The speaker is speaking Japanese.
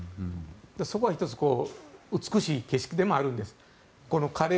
そこが１つ美しい景色でもあるんです。